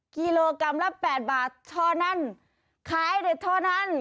กิโลกรัมละ๘บาทเท่านั้นขายเด็ดเท่านั้น